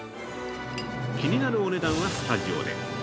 気になるお値段はスタジオで。